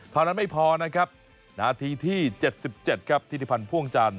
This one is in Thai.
เท่านั้นไม่พอนะครับนาทีที่๗๗ครับธิติพันธ์พ่วงจันท